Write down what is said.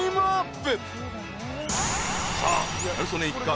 ［さあギャル曽根一家